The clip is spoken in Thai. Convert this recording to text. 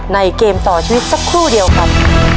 เกมต่อชีวิตสักครู่เดียวครับ